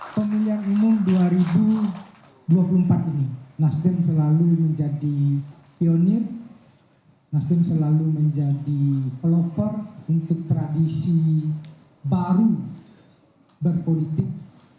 pemilihan umum dua ribu dua puluh empat ini nasdem selalu menjadi pionir nasdem selalu menjadi pelopor untuk tradisi baru berpolitik